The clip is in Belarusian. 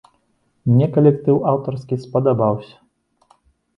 Мне калектыў аўтарскі спадабаўся.